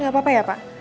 gak apa apa ya pak